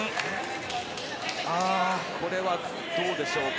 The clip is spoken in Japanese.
これはどうでしょうか。